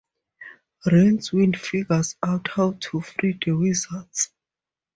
Rincewind figures out how to free the wizards.